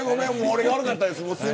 俺が悪かったです。